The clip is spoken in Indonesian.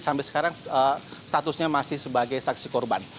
sampai sekarang statusnya masih sebagai saksi korban